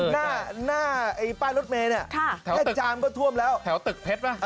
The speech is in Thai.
หน้าหน้าไอ้ป้านรถเมย์เนี้ยค่ะแค่จามก็ท่วมแล้วแถวตึกเพชรป่ะ